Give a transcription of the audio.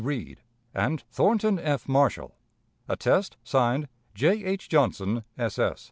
Read, and Thornton F. Marshall. "Attest: (Signed) J. H. Johnson, S.